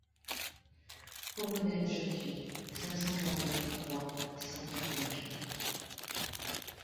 Pourmenaide Jattiot cinq cent quarante-neuf trois cent quatre-vingt-quatre.